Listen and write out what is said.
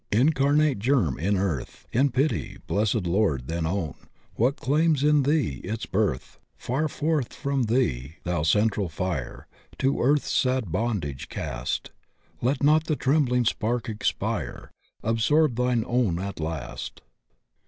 Incarnate germ in earth: In pity, blessed Lord, then own What claims in Thee its birth. Far forth from Thee, thou central fire. To earth's sad bondage cast. Let not the trembling spark expire; Absorb thine own at last!